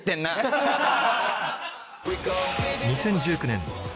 ２０１９年